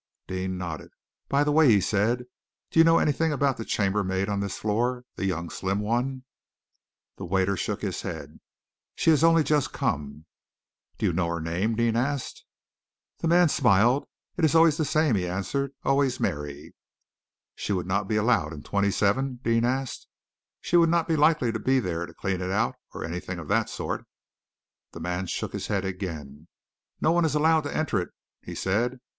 Deane nodded. "By the way," he said, "do you know anything about the chambermaid on this floor the young, slim one?" The waiter shook his head. "She has only just come." "Do you know her name?" asked Deane. The man smiled. "It is always the same," he answered, "always Mary." "She would not be allowed in 27?" Deane asked. "She would not be likely to be there to clean it out, or anything of that sort?"' The man shook his head again. "No one is allowed to enter it," he said.